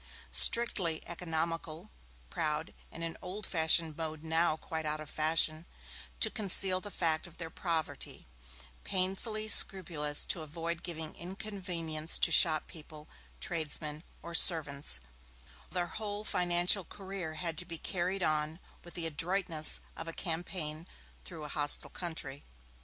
Strictly economical, proud in an old fashioned mode now quite out of fashion to conceal the fact of their poverty, painfully scrupulous to avoid giving inconvenience to shop people, tradesmen or servants, their whole financial career had to be carried on with the adroitness of a campaign through a hostile country.